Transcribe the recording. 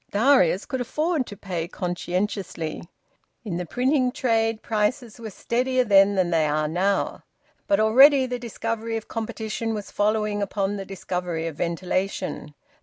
Darius could afford to pay conscientiously. In the printing trade, prices were steadier then than they are now. But already the discovery of competition was following upon the discovery of ventilation.